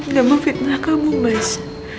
udah memfitnah kamu mas